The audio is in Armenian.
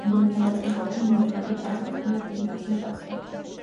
Եկեղեցու բակում վարդապետն անցկացնում էր հերթական դասը։